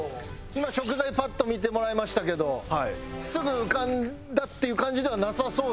今食材パッと見てもらいましたけどすぐ浮かんだっていう感じではなさそうですよね。